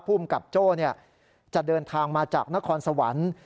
ภูมิกับโจ้จะเดินทางมาจากนครสวรรค์